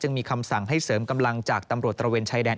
มีคำสั่งให้เสริมกำลังจากตำรวจตระเวนชายแดน